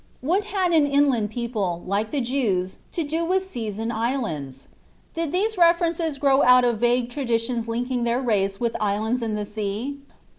What had an inland people, like the Jews, to do with seas and islands? Did these references grow out of vague traditions linking their race with "islands in the sea?"